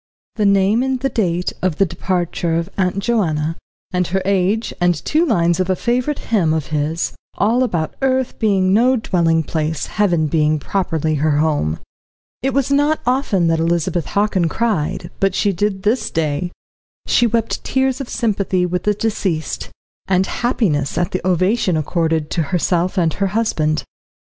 The name and the date of departure of Aunt Joanna, and her age, and two lines of a favourite hymn of his, all about earth being no dwelling place, heaven being properly her home. It was not often that Elizabeth Hockin cried, but she did this day; she wept tears of sympathy with the deceased, and happiness at the ovation accorded to herself and her husband.